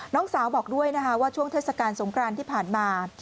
น้องสาวบอกด้วยนะคะว่าช่วงเทศกาลสงครานที่ผ่านมา